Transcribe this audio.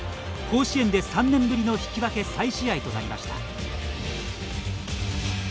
甲子園で３年ぶりの引き分け再試合となりました。